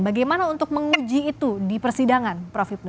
bagaimana untuk menguji itu di persidangan prof ibnu